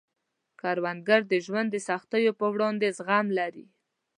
کروندګر د ژوند د سختیو په وړاندې زغم لري